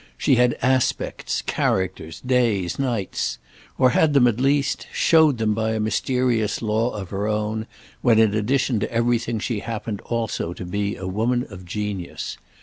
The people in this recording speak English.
She had aspects, characters, days, nights—or had them at least, showed them by a mysterious law of her own, when in addition to everything she happened also to be a woman of genius.